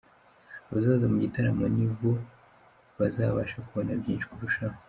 Abazaza mu gitaramo nibo bazabasha kubona byinshi kurushaho.